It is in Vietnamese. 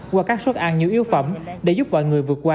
qua các suất ăn nhu yếu phẩm để giúp mọi người vượt qua